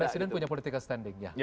presiden punya politika standing